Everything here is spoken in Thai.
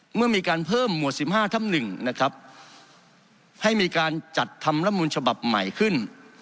เมื่อมีการเพิ่มหมวดสิบห้าทับหนึ่งนะครับให้มีการจัดทำรัฐนุนฉบับใหม่ขึ้น